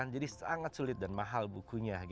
jadi sangat sulit dan mahal bukunya